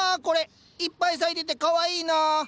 これいっぱい咲いててかわいいなあ。